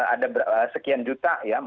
ada sekian juta ya